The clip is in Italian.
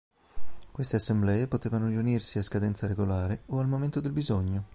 Queste assemblee potevano riunirsi a scadenza regolare o al momento del bisogno.